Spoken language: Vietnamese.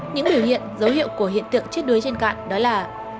những biểu hiện dấu hiệu của hiện tượng chết đuối trên cạn đó là